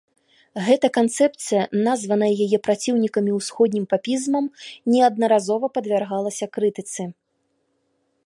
Гэта канцэпцыя, названая яе праціўнікамі ўсходнім папізмам, неаднаразова падвяргалася крытыцы.